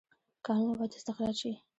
کانونه باید استخراج شي